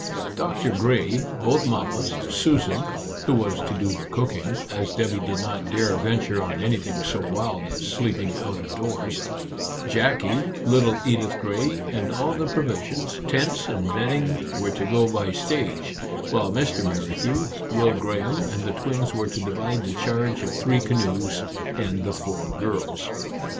Doctor Grey, both mammas, Susan (who was to do the cooking, as Debby did not dare ven ture on anything so wild as sleeping out of doors), Jackie, little Edith Grey, and all the provisions, tents, and bedding, were to go by stage, while Mr. Merrithew, Will Graham, and the twins were to divide the charge of three canoes and the four girls.